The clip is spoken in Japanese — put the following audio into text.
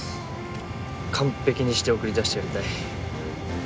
完璧にして送り出してやりたい。